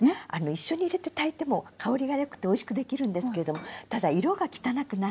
一緒に入れて炊いても香りが良くておいしくできるんですけれどもただ色が汚くなるので。